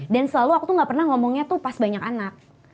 selalu aku gak pernah ngomongnya tuh pas banyak anak